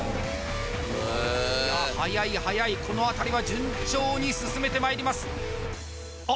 いや速い速いこの辺りは順調に進めてまいりますあっ